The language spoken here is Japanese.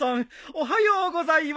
おはようございます。